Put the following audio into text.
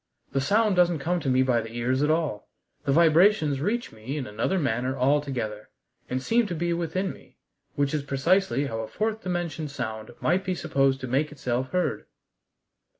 The sound doesn't come to me by the ears at all. The vibrations reach me in another manner altogether, and seem to be within me, which is precisely how a fourth dimension sound might be supposed to make itself heard."